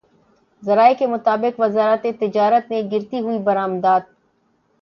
ذرائع کے مطابق وزارت تجارت نے گرتی ہوئی برآمدات